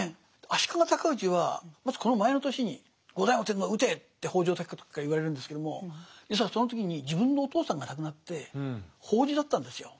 足利高氏はまずこの前の年に後醍醐天皇を討てって北条高時から言われるんですけども実はその時に自分のお父さんが亡くなって法事だったんですよ。